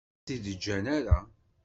Ur as-t-id-ǧǧan ara.